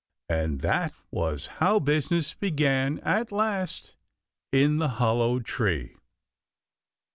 And that was how business began at last in the Hollow Tree.